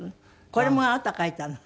これもあなたが描いたの？